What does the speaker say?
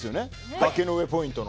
崖の上ポイントの。